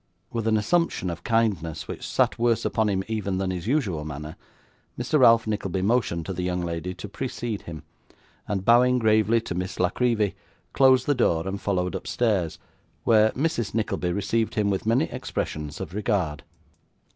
With an assumption of kindness which sat worse upon him even than his usual manner, Mr. Ralph Nickleby motioned to the young lady to precede him, and bowing gravely to Miss La Creevy, closed the door and followed upstairs, where Mrs. Nickleby received him with many expressions of regard.